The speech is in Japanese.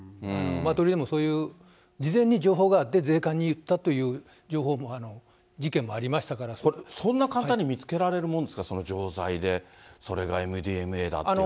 マトリでもそういう事前に情報があって、税関に言ったという情報そんな簡単に見つけられるもんですか、その錠剤で、それがＭＤＭＡだっていう。